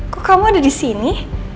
kok kamu ada disini